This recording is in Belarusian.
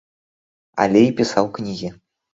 Але і пісаў кнігі.